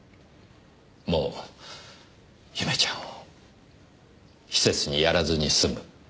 もう祐芽ちゃんを施設にやらずに済む。